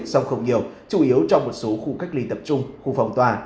song không nhiều chủ yếu trong một số khu cách ly tập trung khu phòng tòa